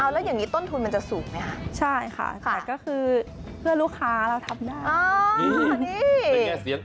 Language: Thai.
แล้วอย่างนี้ต้นทุนมันจะสูงไหมคะใช่ค่ะแต่ก็คือเพื่อลูกค้าเราทำได้